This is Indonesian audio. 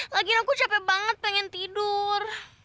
lagi aku capek banget pengen tidur